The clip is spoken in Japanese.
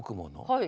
はい。